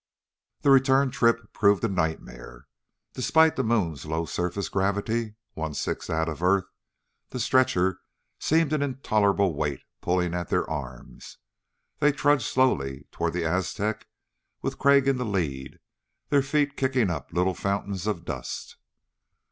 The return trip proved a nightmare. Despite the moon's low surface gravity one sixth that of earth the stretcher seemed an intolerable weight pulling at their arms. They trudged slowly toward the Aztec with Crag in the lead, their feet kicking up little fountains of dust.